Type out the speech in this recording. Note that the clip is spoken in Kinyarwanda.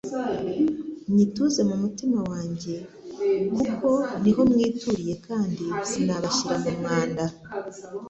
Nyituze mu mutima wanjye kuko niho mwituriye kandi sinabashyira mu mwanda